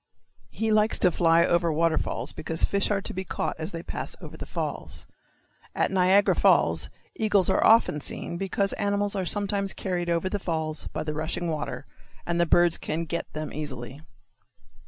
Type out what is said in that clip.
He likes to fly over waterfalls because fish are to be caught as they pass over the falls. At Niagara Falls eagles are often seen because animals are sometimes carried over the falls by the rushing water, and the birds can get them easily.